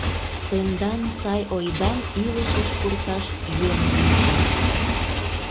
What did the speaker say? Тендан сай ойдам илышыш пурташ йӧн лийже.